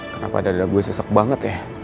kenapa dada gua sesak banget ya